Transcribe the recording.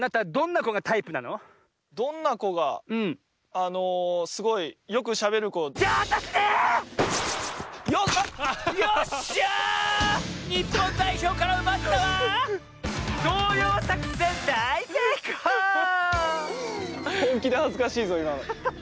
ほんきではずかしいぞいまの。